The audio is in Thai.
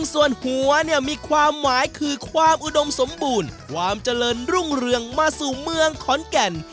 ส่วนหัวเนี่ยมีความหมายคือความอุดมสมบูรณ์ความเจริญรุ่งเรืองมาสู่เมืองขอนแก่น